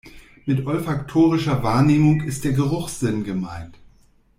Mit olfaktorischer Wahrnehmung ist der Geruchssinn gemeint.